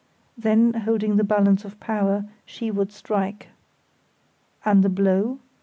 Then, holding the balance of power, she would strike. And the blow?